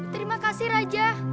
terima kasih raja